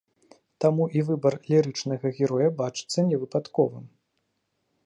Таму і выбар лірычнага героя бачыцца невыпадковым.